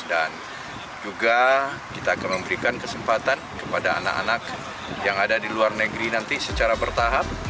dan juga kita akan memberikan kesempatan kepada anak anak yang ada di luar negeri nanti secara bertahap